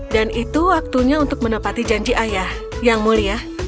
itu waktunya untuk menepati janji ayah yang mulia